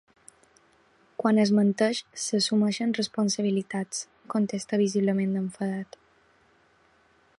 Quan es menteix s’assumeixen responsabilitats, contesta visiblement enfadat.